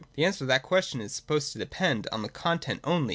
The answer to that question is supposed to depend on the content only.